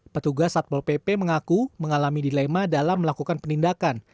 petugas satpol pp mengaku mengalami dilema dalam melakukan penindakan